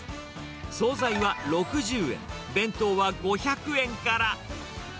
総菜は６０円、弁当は５００円から。